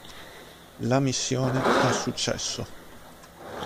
La missione ha successo.